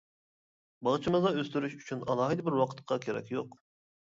باغچىمىزدا ئۆستۈرۈش ئۈچۈن ئالاھىدە بىر ۋاقىتقا كېرەك يوق.